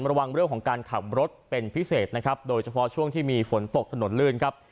ระวังเรื่องของการขับรถเป็นพิเศษนะครับโดยเฉพาะช่วงที่มีฝนตกถนนลื่นครับ